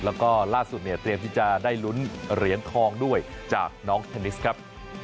แล้วก็ล่าสุดเนี่ยเตรียมที่จะได้ลุ้นเหรียญทองด้วยจากน้องเทนนิสครับ